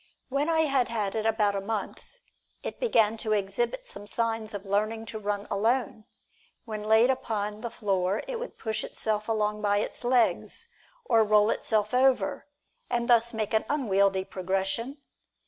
"When I had had it about a month it began to exhibit some signs of learning to run alone. When laid upon the floor it would push itself along by its legs, or roll itself over, and thus make an unwieldy progression.